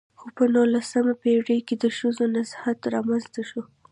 خو په نولسمه پېړۍ کې د ښځو نضهت رامنځته شو .